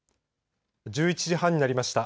１１時半になりました。